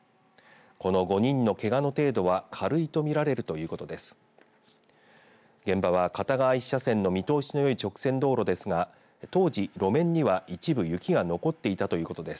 この５人のけがの程度は軽いと見られるということです。